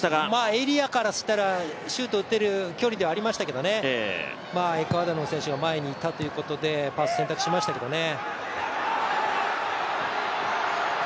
エリアからしたらシュート打てる距離ではありましたけどエクアドルの選手が前にいたということでパスの選択をしましたけどね。